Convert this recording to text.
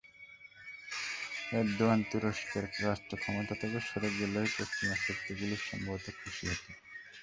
Erdogan তুরস্কের রাষ্ট্রক্ষমতা থেকে সরে গেলেই পশ্চিমা শক্তিগুলো সম্ভবত খুশি হতো।